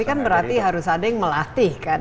ini kan berarti harus ada yang melatih kan